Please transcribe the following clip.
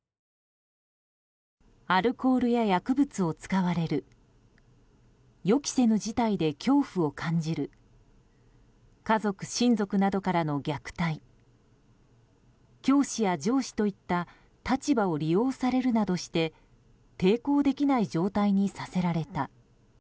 アルコールや薬物を使われる予期せぬ事態で恐怖を感じる家族・親族などからの虐待教師や上司といった立場を利用されるなどして抵抗できない状態にさせられた。